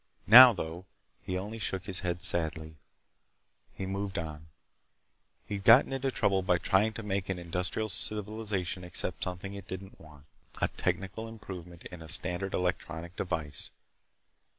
Now, though, he only shook his head sadly. He moved on. He'd gotten into trouble by trying to make an industrial civilization accept something it didn't want—a technical improvement in a standard electronic device.